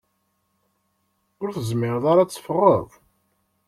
Ur tezmireḍ ad teffɣeḍ.